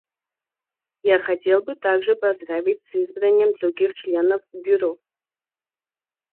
Я хотел бы также поздравить с избранием других членов Бюро.